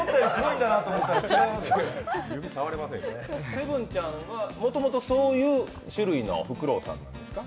セブンちゃんはもともとそういう種類のフクロウなんですか。